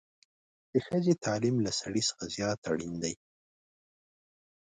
د ښځې تعليم له سړي څخه زيات اړين دی